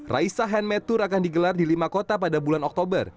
raisa handmade tour akan digelar di lima kota pada bulan oktober